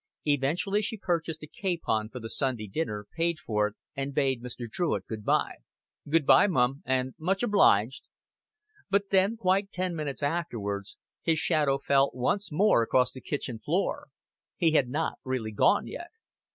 Eventually she purchased a capon for the Sunday dinner, paid for it, and bade Mr. Druitt good by. "Good by, mum and much obliged." But then, quite ten minutes afterward, his shadow once more fell across the kitchen floor. He had not really gone yet.